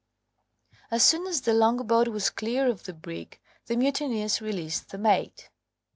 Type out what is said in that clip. As soon as the longboat was clear of the brig the mutineers released the mate.